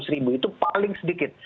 enam ratus ribu itu paling sedikit